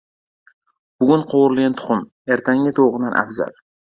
• Bugun qovurilgan tuxum, ertangi tovuqdan afzal.